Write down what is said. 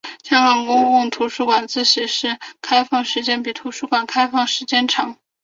香港公共图书馆自修室开放时间比图书馆的开放时间长。